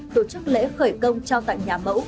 tổ chức lễ khởi công trao tặng nhà mẫu